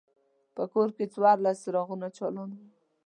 په کور کې څوارلس څراغونه چالان وو.